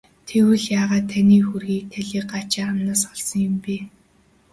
Тэгвэл яагаад таны хөрөгийг талийгаачийн амнаас олсон юм бэ?